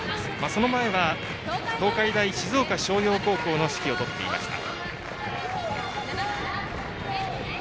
その前は東海大静岡翔洋高校の指揮を執っていました。